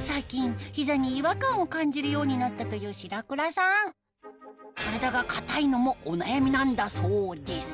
最近膝に違和感を感じるようになったという白倉さん体が硬いのもお悩みなんだそうです